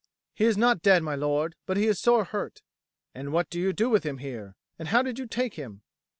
"He is not dead, my lord, but he is sore hurt." "And what do you here with him? And how did you take him?"